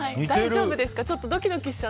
大丈夫ですか。